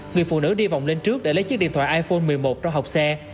người phụ nữ đi vòng lên trước để lấy chiếc điện thoại iphone một mươi một cho học xe